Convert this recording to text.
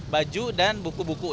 baju dan buku buku